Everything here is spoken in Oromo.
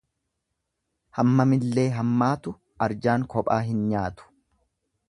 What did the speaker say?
Hammamillee hammaatu arjaan kophaa hin nyaatu.